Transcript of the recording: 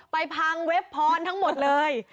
ไปพังเว็บพอร์นทั้งหมดเลย